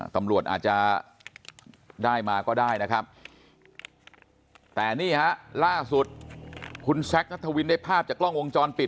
ตำรวจอาจจะได้มาก็ได้นะครับแต่นี่ฮะล่าสุดคุณแซคนัทวินได้ภาพจากกล้องวงจรปิด